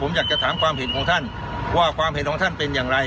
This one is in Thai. ผมอยากจะถามความเห็นของท่านว่าความเห็นของท่านเป็นอย่างไร